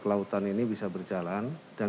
kelautan ini bisa berjalan dan